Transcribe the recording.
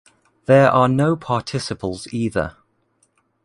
There are no participles either.